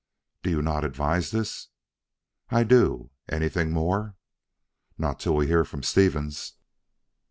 "Do not you advise this?" "I do. Anything more?" "Not till we hear from Stevens."